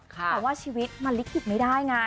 แต่ว่าชีวิตมันลิขิตไม่ได้ไง